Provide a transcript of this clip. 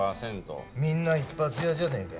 みんな一発屋じゃねえか。